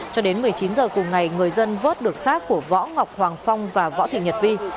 cho đến một mươi chín h cùng ngày người dân vớt được xác của võ ngọc hoàng phong và võ thị nhật vi